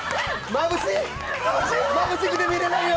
まぶしくて見れないよ。